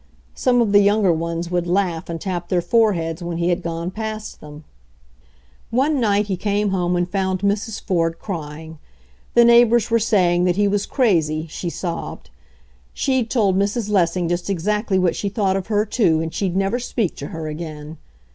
Some of the younger ones would laugh and tap their foreheads when he had gone past them. 78 HENRY FORD'S OWN STORY One night he came home and found Mrs. Ford crying. The neighbors were saying that he was crazy, she sobbed. She'd told Mrs. Lessing just exactly what she thought of her, too, and she'd never speak to her again!